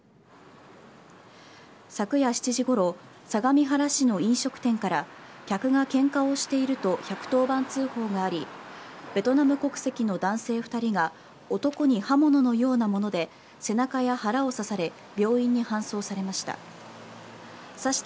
昨夜７時ごろ相模原市の飲食店から客がケンカをしていると１１０番通報がありベトナム国籍の男性２人が男に刃物のようなもので背中や腹を刺され病院に搬送されました。